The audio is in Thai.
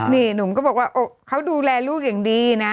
นี่หนุ่มก็บอกว่าเขาดูแลลูกอย่างดีนะ